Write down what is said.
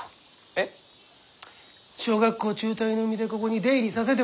えっ？小学校中退の身でここに出入りさせてもらっている。